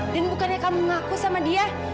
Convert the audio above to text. dan bukannya kamu ngaku sama dia